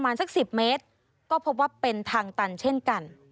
ดูนี่เหมือนกันก็พบว่าเป็นทางตังเช่นกัน